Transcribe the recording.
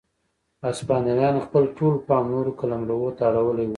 هسپانویانو خپل ټول پام نورو قلمرو ته اړولی و.